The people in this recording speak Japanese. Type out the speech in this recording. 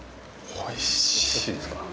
おいしいですか？